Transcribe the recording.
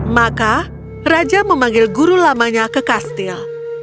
maka raja memanggil guru lamanya ke kastil